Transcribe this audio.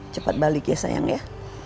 cepat balik ya sayang ya